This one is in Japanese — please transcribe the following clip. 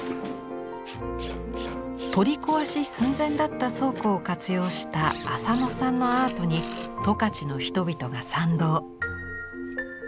取り壊し寸前だった倉庫を活用した浅野さんのアートに十勝の人々が賛同。